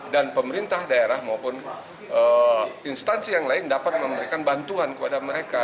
dan pemerintah daerah maupun instansi yang lain dapat memberikan bantuan kepada mereka